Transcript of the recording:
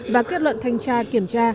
và kết luận thanh tra kiểm tra